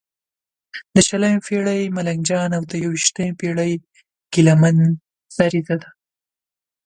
د شلمې پېړۍ ملنګ جان او د یوویشمې پېړې ګیله من سریزه ده.